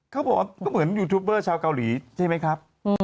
เขาบอกว่าก็เหมือนยูทูปเบอร์ชาวเกาหลีใช่ไหมครับ